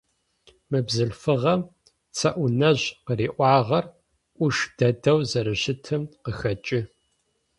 Мы бзылъфыгъэм Цэӏунэжъ къыриӏуагъэр ӏуш дэдэу зэрэщытым къыхэкӏы.